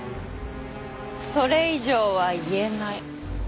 それ以上は言えない。